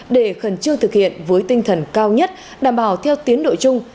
để khẩn trương thực hiện với tinh thần cao nhất đảm bảo theo tiến độ chung